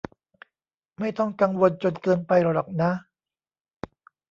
ไม่ต้องกังวลจนเกินไปหรอกนะ